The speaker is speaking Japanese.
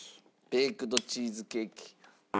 ベイクドチーズケーキね。